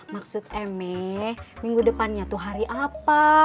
maksud emek minggu depannya itu hari apa